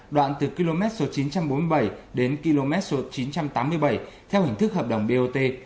đoạn từ km số chín trăm bốn mươi bảy đến km số chín trăm tám mươi bảy theo hình thức hợp đồng bot